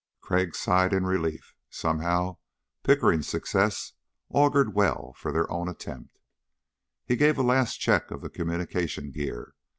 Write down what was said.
Crag sighed in relief. Somehow Pickering's success augured well for their own attempt. He gave a last check of the communication gear.